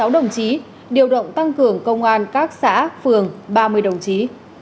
một mươi sáu đồng chí điều động tăng cường công an các xã phường ba mươi đồng chí